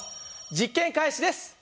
実験開始です。